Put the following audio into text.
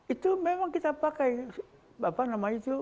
itu memang kita pakai apa namanya itu